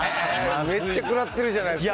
めっちゃ食らってるじゃないですか。